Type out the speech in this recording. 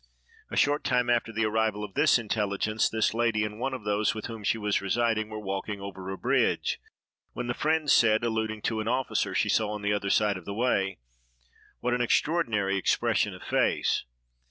A short time after the arrival of this intelligence, this lady, and one of those with whom she was residing, were walking over a bridge, when the friend said, alluding to an officer she saw on the other side of the way, "What an extraordinary expression of face!"